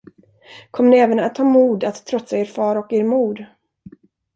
Kommer ni även att ha mod att trotsa er far och er mor?